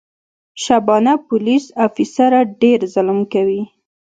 شبانه پولیس افیسره ډېر ظلم کوي.